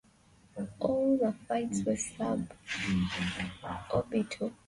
All the flights were Sub-orbital.